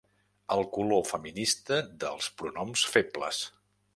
El color feminista dels pronoms febles.